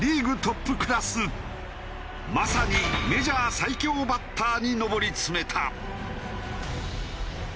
まさにメジャー最強バッターに上り詰めた。